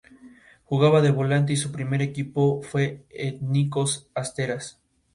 Jugaba de volante y su primer equipo fue Ethnikos Asteras.